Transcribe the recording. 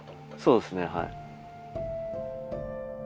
そうですねはい。